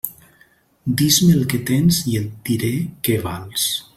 Dis-me el que tens i et diré què vals.